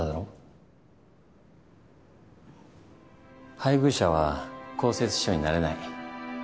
配偶者は公設秘書になれない。